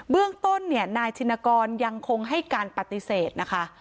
เรื่องต้นเนี่ยนายชินกรยังคงให้การปฏิเสธนะคะ